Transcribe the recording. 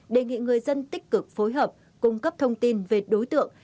đề nghị người dân tích cực phối hợp cung cấp thông tin về đối tượng